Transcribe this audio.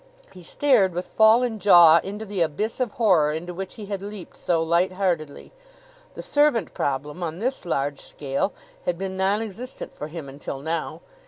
He stared, with fallen jaw, into the abyss of horror into which he had leaped so light heartedly. The servant problem, on this large scale, had been nonexistent for him until now.